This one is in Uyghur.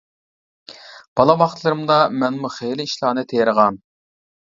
بالا ۋاقىتلىرىمدا مەنمۇ خىلى ئىشلارنى تېرىغان.